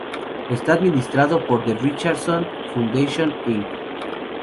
Está administrado por "The Richardson Foundation, Inc.